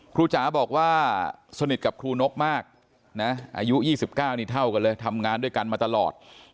จ๋าบอกว่าสนิทกับครูนกมากนะอายุ๒๙นี่เท่ากันเลยทำงานด้วยกันมาตลอด